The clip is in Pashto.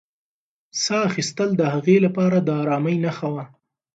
ساه اخیستل د هغې لپاره د ارامۍ نښه وه.